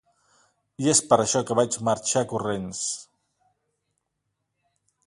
I és per això que vaig marxar corrents.